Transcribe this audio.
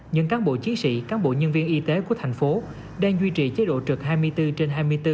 những cán bộ chiến sĩ cán bộ nhân viên y tế của thành phố đang duy trì chế độ trực hai mươi bốn trên hai mươi bốn